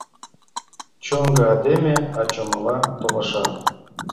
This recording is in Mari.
Шоҥго айдеме, а чомала толаша!».